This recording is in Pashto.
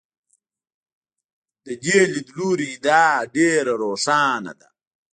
د دې لیدلوري ادعا ډېره روښانه ده.